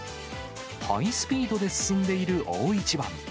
ハイスピードで進んでいる大一番。